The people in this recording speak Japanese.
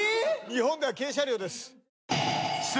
日本では軽車両です。